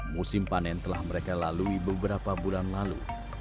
musim panen telah mereka lalui beberapa bulan lalu